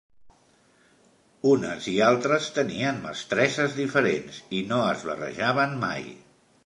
Unes i altres tenien mestresses diferents i no es barrejaven mai.